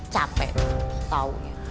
capek tau ya